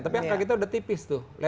tapi angka kita udah tipis tuh